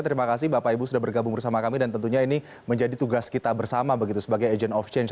terima kasih bapak ibu sudah bergabung bersama kami dan tentunya ini menjadi tugas kita bersama begitu sebagai agent of change